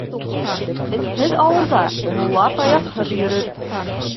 Этһеҙ ауылда мулла таяҡһыҙ йөрөр.